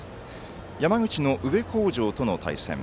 山口の宇部鴻城との対戦。